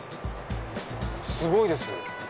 すごいです！